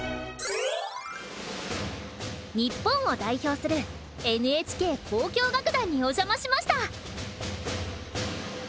日本を代表するＮＨＫ交響楽団にお邪魔しました。